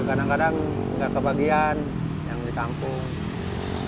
kadang kadang nggak kebagian yang di kampung